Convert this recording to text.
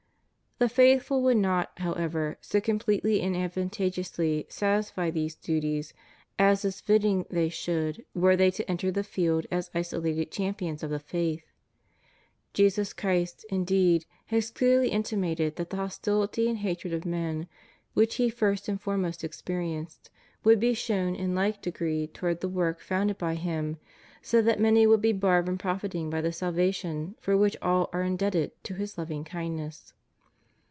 The faithful would not, however, so completely and advantageously satisfy these duties as is fitting they should were they to enter the field as isolated champions of the faith. Jesus Christ, indeed, has clearly intimated that the hostiUty and hatred of men, which He first and foremost experienced, would be shown in hke degree towards the work founded by Him, so that many would be barred from profiting by the salvation for which all are indebted to His loving kindness.